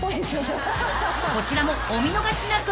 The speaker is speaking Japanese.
［こちらもお見逃しなく］